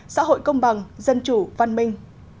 xã hội công bằng dân chủ văn minh